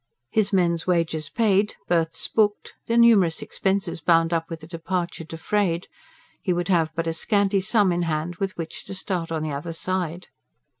His men's wages paid, berths booked, the numerous expenses bound up with a departure defrayed, he would have but a scanty sum in hand with which to start on the other side.